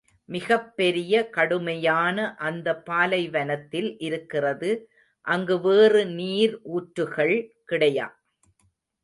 மிகப் பெரிய, கடுமையான அந்தப் பாலைவனத்தில் இருக்கிறது, அங்கு வேறு நீர் ஊற்றுகள் கிடையா.